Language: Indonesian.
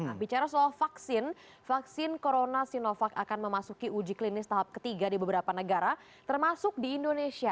nah bicara soal vaksin vaksin corona sinovac akan memasuki uji klinis tahap ketiga di beberapa negara termasuk di indonesia